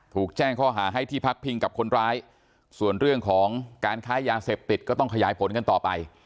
ถูกแจ้งข้อหาให้ที่พักพิงกับคนร้ายส่วนเรื่องของการค้ายาเสพติดก็ต้องขยายผลกันต่อไป